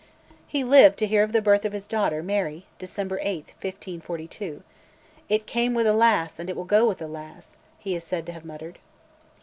He lived to hear of the birth of his daughter, Mary (December 8, 1542). "It came with a lass and it will go with a lass," he is said to have muttered.